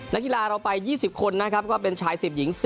นักกีฬาเราไป๒๐คนนะครับก็เป็นชาย๑๐หญิง๔